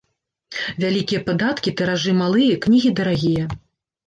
Вялікія падаткі, тыражы малыя, кнігі дарагія.